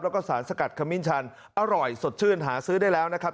แล้วก็สารสกัดขมิ้นชันอร่อยสดชื่นหาซื้อได้แล้วนะครับ